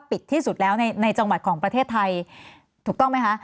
ที่สุดแล้วในจังหวัดของประเทศไทยถูกต้องไหมคะ